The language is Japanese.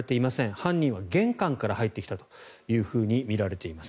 犯人は玄関から入ってきたとみられています。